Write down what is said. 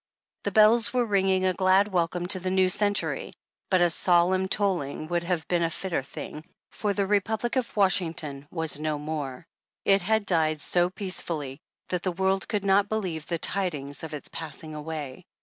The bells were ringing a glad welcome to the New Century, but a solemn toll ing would have been a fitter thing, for the Republic of Washington was no more. It had died so peace fully, that the world could not believe the tidings of its passing away.